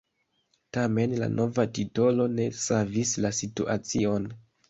Tamen la nova titolo ne savis la situacion.